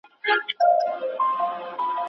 ايا موزيم لوړ قيمت ورکوي؟